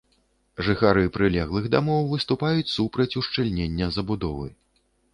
Жыхары прылеглых дамоў выступаюць супраць ушчыльнення забудовы.